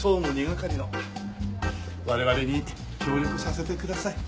２係。協力させてください。